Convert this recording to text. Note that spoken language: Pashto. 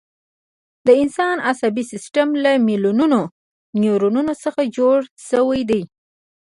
د انسان عصبي سیستم له میلیونونو نیورونونو څخه جوړ شوی دی.